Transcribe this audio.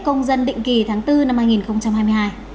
công dân định kỳ tháng bốn năm hai nghìn hai mươi hai